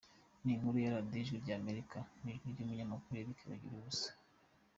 Ni inkuru ya Radiyo Ijwi ry’Amerika, mu ijwi ry’umunyamakuru Eric Bagiruwubusa